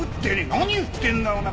何言ってんだお前